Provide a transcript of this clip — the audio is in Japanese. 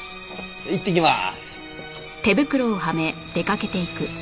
いってきます。